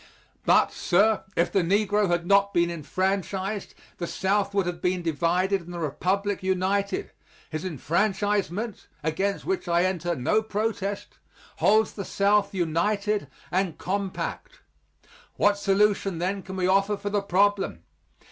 But, sir, if the negro had not been enfranchised the South would have been divided and the Republic united. His enfranchisement against which I enter no protest holds the South united and compact. What solution, then, can we offer for the problem?